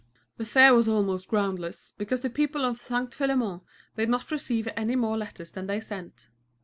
The fear was almost groundless, because the people of St. Philémon did not receive any more letters than they sent.